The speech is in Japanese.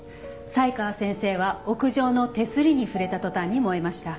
才川先生は屋上の手すりに触れた途端に燃えました。